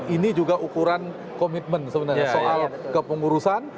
ini juga ukuran komitmen sebenarnya soal kepengurusan